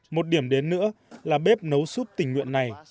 một điểm đến nữa là bếp nấu súp tình nguyện này